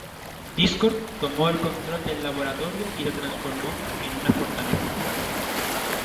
Discord tomó el control del laboratorio y lo transformó en una fortaleza.